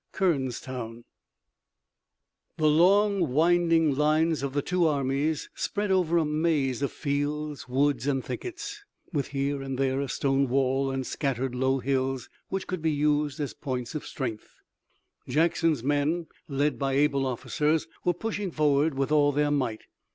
KERNSTOWN The long winding lines of the two armies spread over a maze of fields, woods and thickets, with here and there a stone wall and scattered low hills, which could be used as points of strength. Jackson's men, led by able officers, were pushing forward with all their might.